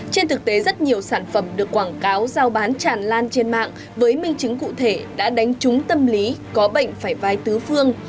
trên thực tế rất nhiều sản phẩm được quảng cáo giao bán tràn lan trên mạng với minh chứng cụ thể đã đánh trúng tâm lý có bệnh phải vai tứ phương